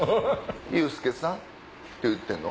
「ユースケさん」って言ってんの？